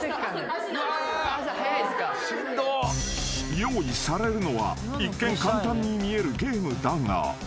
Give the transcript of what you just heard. ［用意されるのは一見簡単に見えるゲームだが］